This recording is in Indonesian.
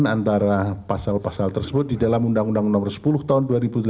antara pasal pasal tersebut di dalam undang undang nomor sepuluh tahun dua ribu tujuh belas